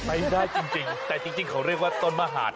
ไปได้จริงแต่จริงเขาเรียกว่าต้นมหาด